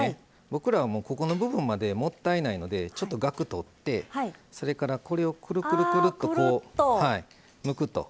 僕らはもうここの部分までもったいないのでちょっとガク取ってそれからこれをクルクルクルッとむくと。